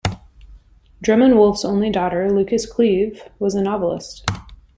Drummond Wolff's only daughter, Lucas Cleeve, was a novelist.